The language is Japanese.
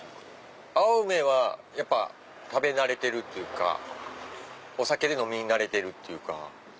青梅はやっぱ食べ慣れてるっていうかお酒で飲み慣れてるっていうか。